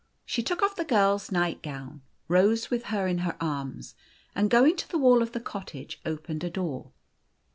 She took oil' the girl's night gown, rose with her in her arms, and goinu' to the wall of the cottage, opened a door.